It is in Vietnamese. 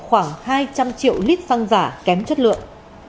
khoảng hai trăm linh triệu lít xăng giả kém chất lượng